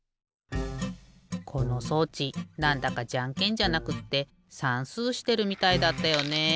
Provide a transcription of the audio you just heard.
この装置なんだかじゃんけんじゃなくってさんすうしてるみたいだったよね。